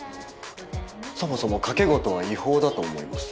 そもそも賭け事は違法だと思います。